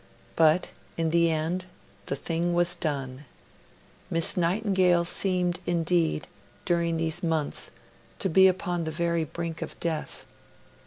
But, in the end, the thing was done. Miss Nightingale seemed, indeed, during these months, to be upon the very brink of death.